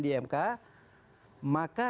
di mk maka